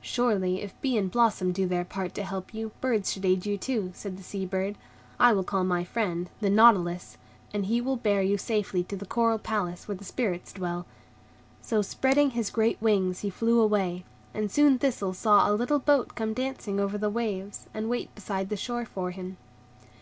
"Surely, if bee and blossom do their part to help you, birds should aid you too," said the Sea bird. "I will call my friend, the Nautilus, and he will bear you safely to the Coral Palace where the Spirits dwell." So, spreading his great wings, he flew away, and soon Thistle saw a little boat come dancing over the waves, and wait beside the shore for him.